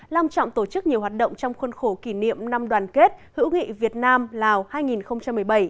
long trọng tổ chức nhiều hoạt động trong khuôn khổ kỷ niệm năm đoàn kết hữu nghị việt nam lào hai nghìn một mươi bảy